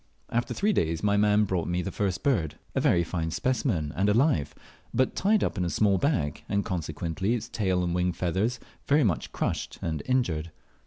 After three days, my man brought me the first bird a very fine specimen, and alive, but tied up in a small bag, and consequently its tail and wing feathers very much crushed and injured.